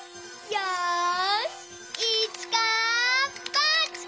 よし！